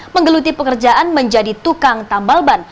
menggeluti pekerjaan menjadi tukang tambal ban